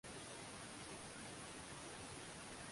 Waprotestanti wa madhehebu mia tofauti Nchi nyingine inayozalisha